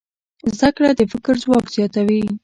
زده کړه د فکر ځواک زیاتوي.